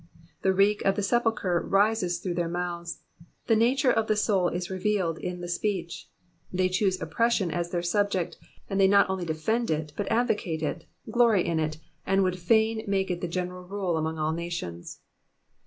''^ The reek of the sepulchre rises through their mouths ; the nature of the soul is revealed in the speech. They choose oppression as their subject, and they not only defend it, but advocate it, glory in it, and would fain make it the general rule among all nations.